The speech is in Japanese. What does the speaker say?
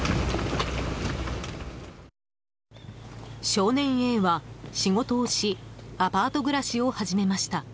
少年Ａは仕事をしアパート暮らしを始めました。